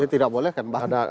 ini tidak boleh kan bang